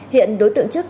hiện đối tượng trước